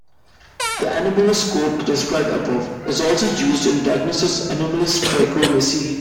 The anomaloscope, described above, is also used in diagnosing anomalous trichromacy.